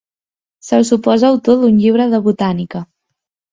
Se'l suposa autor d'un llibre de botànica.